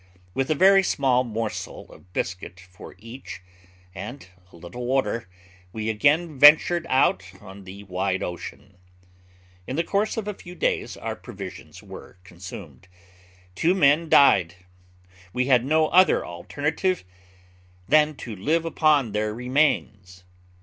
With a very small morsel of biscuit for each, and a little water, we again ventured out on the wide ocean. In the course of a few days our provisions were consumed. Two men died; we had no other alternative than to live upon their remains.